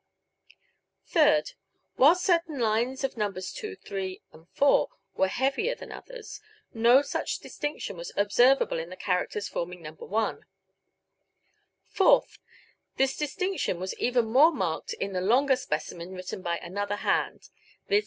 Third: While certain lines in Nos. 2, 3 and 4 were heavier than others, no such distinction was observable in the characters forming No. 1. Fourth: This distinction was even more marked in the longer specimen written by another hand, viz.